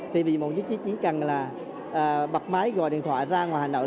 thì bệnh viện mộng chính chỉ cần là bật máy gọi điện thoại ra ngoài hà nội